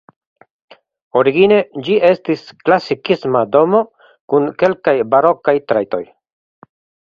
Origine ĝi estis klasikisma domo kun kelkaj barokaj trajtoj.